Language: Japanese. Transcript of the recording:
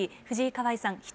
藤井香愛さん